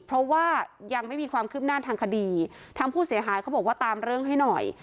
เพราะว่ายังไม่มีความคืบหน้าทางคดีทางผู้เสียหายเขาบอกว่าตามเรื่องให้หน่อย